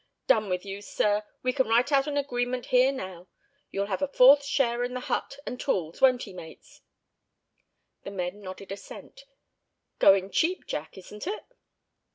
"Done with you, sir; we can write out an agreement here now. You'll have a fourth share in the hut and tools, won't he, mates?" The men nodded assent. "Going cheap, Jack, isn't it?"